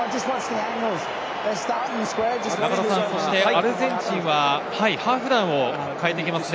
アルゼンチンはハーフ団を代えてきますね。